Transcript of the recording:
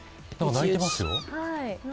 鳴いてますよ。